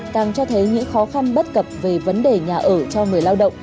càng cho thấy những khó khăn bất cập về vấn đề nhà ở cho người lao động